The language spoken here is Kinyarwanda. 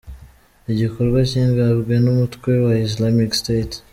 Igikorwa kigambwe n’umutwe wa Islamic State.